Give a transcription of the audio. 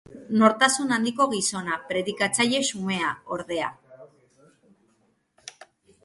Nortasun handiko gizona, predikatzaile xumea, ordea.